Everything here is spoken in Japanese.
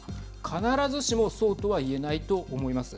必ずしもそうとはいえないと思います。